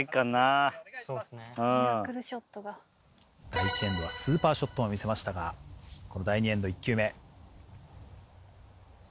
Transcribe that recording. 第１エンドはスーパーショットを見せましたが第２エンド１球目。